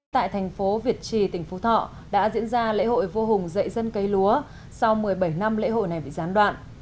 tại thành phố việt trì tỉnh phú thọ đã diễn ra lễ hội vô hùng dậy dân cây lúa sau một mươi bảy năm lễ hội này bị gián đoạn